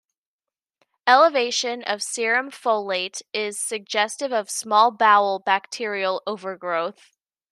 Elevation of serum folate is suggestive of small bowel bacterial overgrowth.